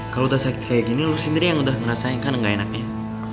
kalau udah sakit kayak gini lu sendiri yang udah ngerasain kan gak enaknya